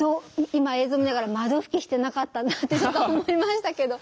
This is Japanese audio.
今映像を見ながら窓拭きしてなかったなって思いましたけど。